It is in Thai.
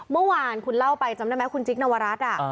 เมื่อวานคุณเล่าไปจำได้ไหมคุณจิ๊กนวรัฐ